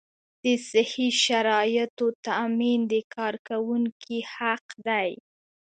د صحي شرایطو تامین د کارکوونکي حق دی.